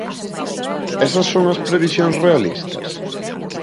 ¿Esas son as previsións realistas?